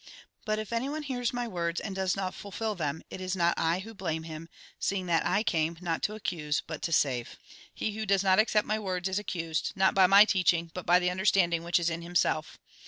But if anyone hears my words and does not fulfil them, it is not I who blame him, seeing that I came, not to accuse but to save. He who does not accept my words is accused, not by my teaching but by the understanding which is in himself.